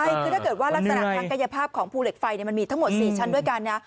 ใช่คือถ้าเกิดว่ารักษณะทางกายภาพของภูเหล็กไฟมันมีทั้งหมด๔ชั้นด้วยกันนะ